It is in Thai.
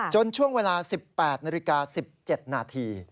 ช่วงเวลา๑๘นาฬิกา๑๗นาที